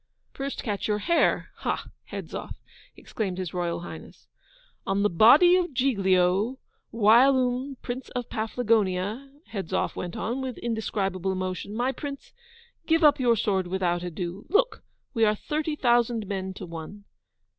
'First catch your hare! ha, Hedzoff!' exclaimed His Royal Highness. ' On the body of GIGLIO, whilome Prince of Paflagonia' Hedzoff went on, with indescribable emotion. 'My Prince, give up your sword without ado. Look! we are thirty thousand men to one!